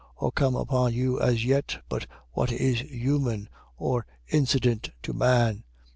. .or come upon you as yet, but what is human, or incident to man.